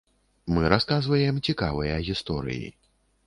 Мы расказваем цікавыя гісторыі.